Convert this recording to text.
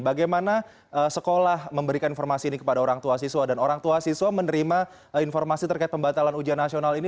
bagaimana sekolah memberikan informasi ini kepada orang tua siswa dan orang tua siswa menerima informasi terkait pembatalan ujian nasional ini